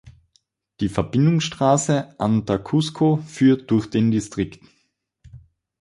Die Verbindungsstraße Anta–Cusco führt durch den Distrikt.